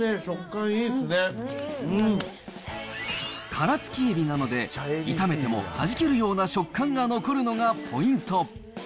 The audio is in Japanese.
殻付きエビなので、炒めてもはじけるような食感が残るのがポイント。